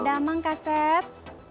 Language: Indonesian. damang kak seth